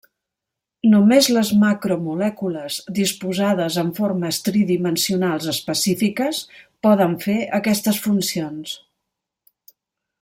Només les macromolècules disposades en formes tridimensionals específiques poden fer aquestes funcions.